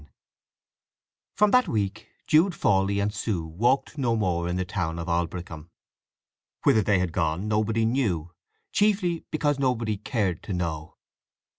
'" VII From that week Jude Fawley and Sue walked no more in the town of Aldbrickham. Whither they had gone nobody knew, chiefly because nobody cared to know.